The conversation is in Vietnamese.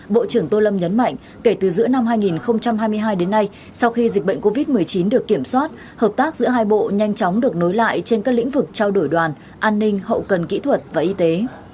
bộ trưởng tô lâm nhấn mạnh kể từ giữa năm hai nghìn hai mươi hai đến nay sau khi dịch bệnh covid một mươi chín được kiểm soát hợp tác giữa hai bộ nhanh chóng được nối lại trên các lĩnh vực trao đổi đoàn an ninh hậu cần kỹ thuật và y tế